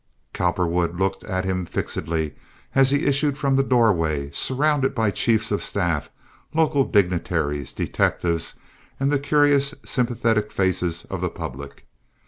Cowperwood looked at him fixedly as he issued from the doorway surrounded by chiefs of staff, local dignitaries, detectives, and the curious, sympathetic faces of the public.